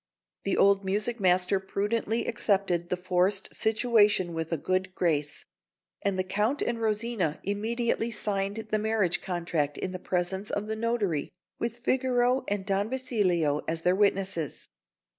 The old music master prudently accepted the forced situation with a good grace; and the Count and Rosina immediately signed the marriage contract in the presence of the notary, with Figaro and Don Basilio as their witnesses.